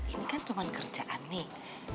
ini kan cuma kerjaan nih